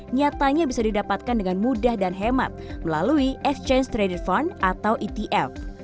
nyatanya bisa didapatkan dengan mudah dan hemat melalui exchange trade fund atau etf